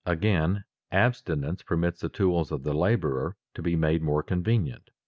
Again, abstinence permits the tools of the laborer to be made more convenient.